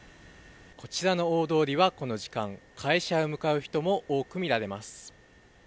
こちらの大通りはこの時間、会社へ向かう人も多く見られます。